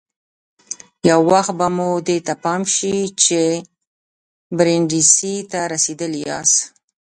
یو وخت به مو دې ته پام شي چې برېنډېسي ته رسېدلي یاست.